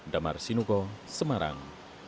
damar sinuko semarang